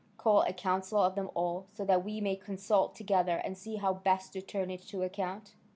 call a council of them all, so that we may consult together, and see how best to turn it to account."